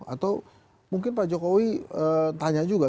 atau mungkin pak jokowi tanya juga